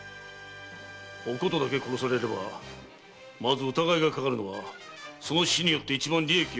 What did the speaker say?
お琴だけ殺されればまず疑いがかかるのはその死によって一番利益を得た者。